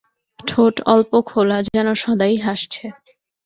ঠোঁট অল্প খোলা, যেন সদাই হাসছে।